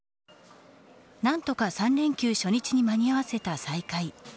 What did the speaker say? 何とか３連休初日に間に合わせた再開。